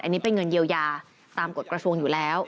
อันนี้เป็นเงินเยียวยาตามกฎกระทรวงอยู่แล้ว